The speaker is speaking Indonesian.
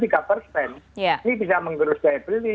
ini bisa menggerus daya beli